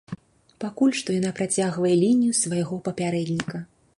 Пакуль што яна працягвае лінію свайго папярэдніка.